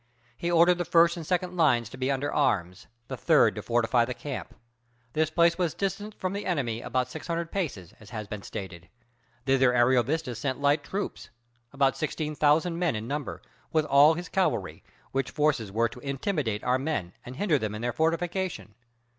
He ordered the first and second lines to be under arms; the third to fortify the camp. This place was distant from the enemy about six hundred paces, as has been stated. Thither Ariovistus sent light troops, about sixteen thousand men in number, with all his cavalry; which forces were to intimidate our men and hinder them in their fortification.